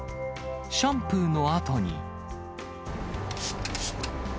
シャンプーのあとに。